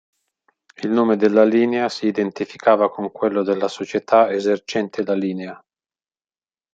Il nome della linea si identificava con quello della società esercente la linea.